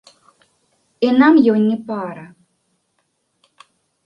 І нам ён не пара.